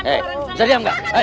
eh bisa diam gak